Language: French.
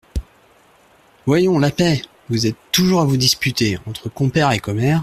Voyons ! la paix ! vous êtes toujours à vous disputer… entre compère et commère…